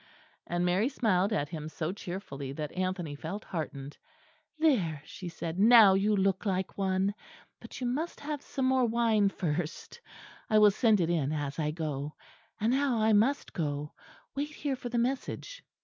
And Mary smiled at him so cheerfully, that Anthony felt heartened. "There," she said, "now you look like one. But you must have some more wine first, I will send it in as I go. And now I must go. Wait here for the message."